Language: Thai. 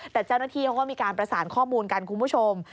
แต่เจ้าหน้าที่เขาก็มีการประสานข้อมูลกันคุณผู้ชม